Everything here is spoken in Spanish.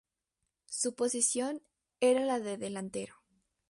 Su posición era la de delantero.